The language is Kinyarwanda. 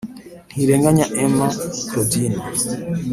Ntirenganya Emma Claudine